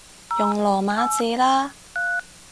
用羅馬字啦